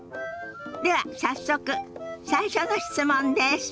では早速最初の質問です。